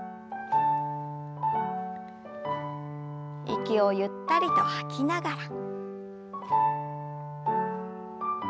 息をゆったりと吐きながら。